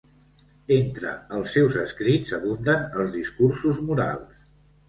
Entre els seus escrits abunden els discursos morals.